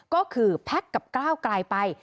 ก็คือแพ็คกับก้าวไกลไป